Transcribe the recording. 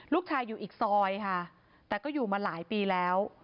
ลูกชายอยู่อีกซอยค่ะแต่ก็อยู่มาหลายปีแล้ว